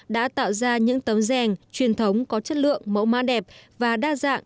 đã tạo ra những tấm rèn truyền thống có chất lượng mẫu ma đẹp và đa dạng